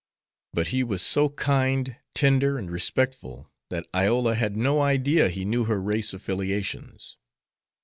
But he was so kind, tender, and respectful, that Iola had no idea he knew her race affiliations.